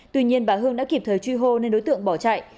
tuy nhiên bà hương đã kịp thời truy hô nên đối tượng bỏ chạy